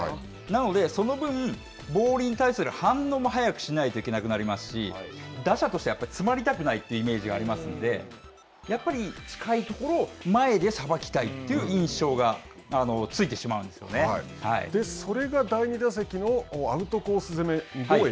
なので、その分、ボールに対する反応も早くしないといけなくなりますし、打者としてはやっぱり詰まりたくないというイメージがありますので、やっぱり近いところを前でさばきたいという印象がつそれが第２打席のアウトコース